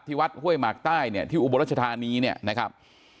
ที่วัดห้วยหมากใต้ที่อุโบราชธานีนะครับ